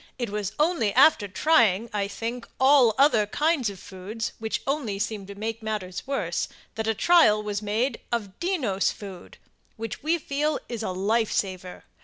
It was only after trying, I think, all other kinds of foods, which only seemed to make matters worse, that a trial was made of DENNOS FOOD, which, we feel, is a life saver.